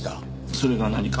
それが何か？